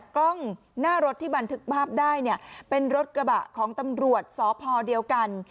กล้องหน้ารถที่บันทึกภาพได้เนี่ยเป็นรถกระบะของตำรวจสพเดียวกัน